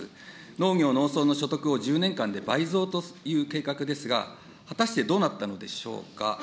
農業農村の所得を１０年間で倍増という計画ですが、果たしてどうなったのでしょうか。